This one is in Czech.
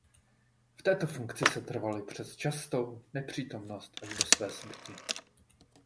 V této funkci setrval i přes častou nepřítomnost až do své smrti.